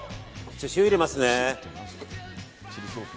塩、入れますね。